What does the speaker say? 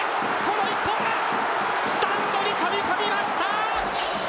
この一本がスタンドに飛びこみました。